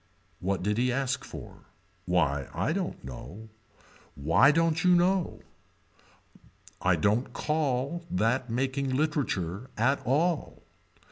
What did he ask for. Why I don't know. Why don't you know. I don't call that making literature at all.